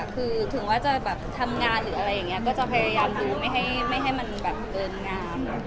คือถึงว่าจะแบบทำงานหรืออะไรอย่างนี้ก็จะพยายามดูไม่ให้มันแบบเกินงาม